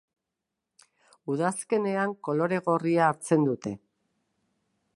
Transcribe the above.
Udazkenean kolore gorria hartzen dute.